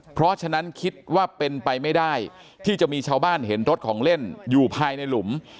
เพราะฉะนั้นคิดว่าเป็นไปไม่ได้ที่จะมีชาวบ้านเห็นรถของเล่นอยู่ภายในหลุม